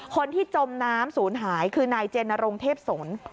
คนที่จมน้ำศูนย์หายคือนายเจนรงเทพสน